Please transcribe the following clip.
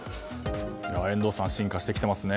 遠藤さん進化してきていますね。